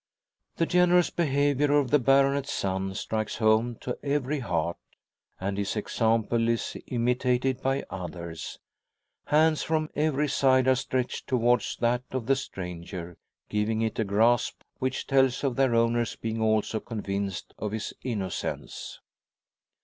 The generous behaviour of the baronet's son strikes home to every heart, and his example is imitated by others. Hands from every side are stretched towards that of the stranger, giving it a grasp which tells of their owners being also convinced of his innocence.